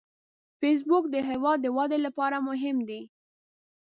فېسبوک د هیواد د ودې لپاره مهم دی